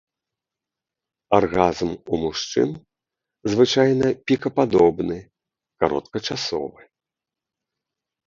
Аргазм у мужчын звычайна пікападобны, кароткачасовы.